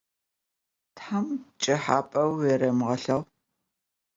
Tham pç'ıhap'eu vuêremığelheğu.